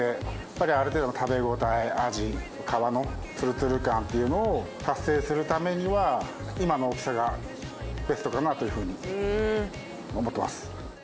やっぱりある程度の食べ応え味皮のツルツル感っていうのを達成するためには今の大きさがベストかなというふうに思ってます。